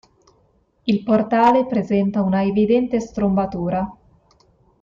Il portale presenta una evidente strombatura.